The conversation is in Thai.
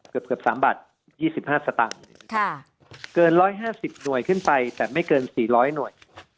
เกือบ๓บาท๒๕สตางค์เกิน๑๕๐หน่วยขึ้นไปแต่ไม่เกิน๔๐๐หน่วย